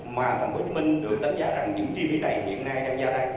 mà thành phố hồ chí minh được đánh giá rằng những chi phí này hiện nay đang gia tăng